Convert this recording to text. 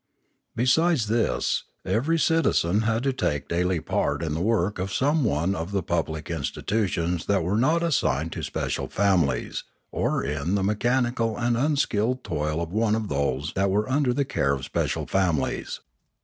Besides this, every citizen had to take daily part in the work of some one of the public institutions that were not assigned to special families, or in the mechanical and unskilled toil of one of those that were under the care of special families.